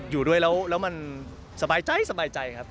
อยู่ด้วยแล้วมันสบายใจครับ